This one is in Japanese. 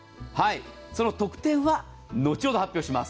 その特典は後ほど発表します。